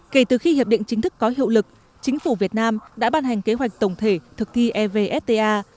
kể từ khi hiệp định chính thức có hiệu lực chính phủ việt nam đã ban hành kế hoạch tổng thể thực thi evfta